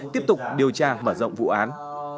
tiếp tục điều tra và rộng vụ án